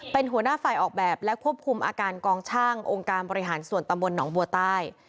เป็นหัวหน้าฝ่ายออกแบบและควบคุมอาการกองช่างองค์การบริหารส่วนตำบลหนองบัวใต้